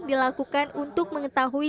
dilakukan untuk mengetahui